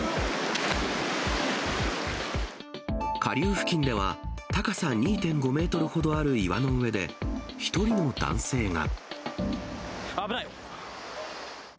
下流付近では、高さ２．５メートルほどある岩の上で、１人の男性が。